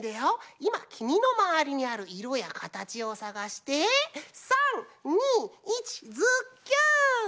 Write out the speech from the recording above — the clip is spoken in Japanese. いまきみのまわりにあるいろやかたちをさがして「３！２！１！ズッキュン！」って